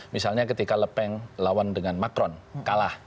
misalnya ketika lepeng lawan dengan macron kalah